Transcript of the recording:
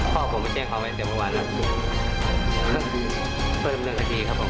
พ่อผมไม่ใช่ของมันแต่ว่าเรื่องนี้เรื่องนี้เบิร์น๑นาทีครับผม